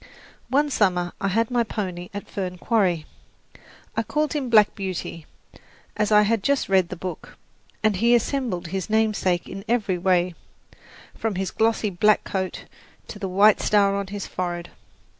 One summer I had my pony at Fern Quarry. I called him Black Beauty, as I had just read the book, and he resembled his namesake in every way, from his glossy black coat to the white star on his forehead.